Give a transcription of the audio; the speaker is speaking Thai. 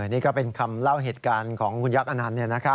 นี่ก็เป็นคำเล่าเหตุการณ์ของคุณยักษ์อนันต์